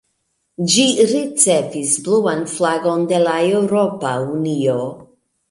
Ĝi ricevis bluan flagon de la Eŭropa Unio.